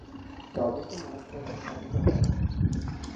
তবেই তো মহৎ কার্য সাধিত হয়।